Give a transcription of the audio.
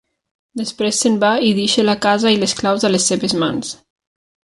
Després se'n va i deixa la casa i les claus a les seves mans.